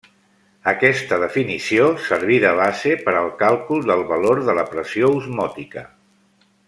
Aquesta definició serví de base per al càlcul del valor de la pressió osmòtica.